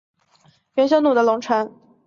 元朔匈奴祭祀祖先的龙城。